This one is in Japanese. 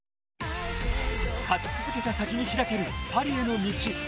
勝ち続けた先に開けるパリへの道。